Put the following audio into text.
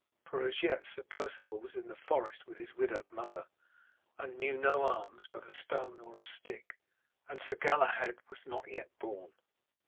For as yet Sir Perceval was in the forest with his widowed mother, and knew no arms but a stone or a stick; and Sir Galahad was not yet born.